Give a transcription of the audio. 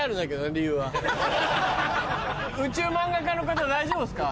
宇宙漫画家の方大丈夫ですか？